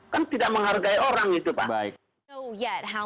kan tidak menghargai orang itu pak